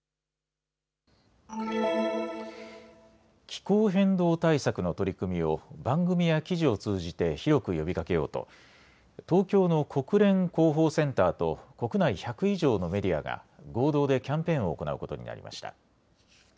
気候変動対策の取り組みを番組や記事を通じて広く呼びかけようと東京の国連広報センターと国内１００以上のメディアが合同でキャンペーンを行うことになりました。